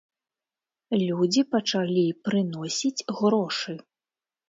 Людзі пачалі прыносіць грошы.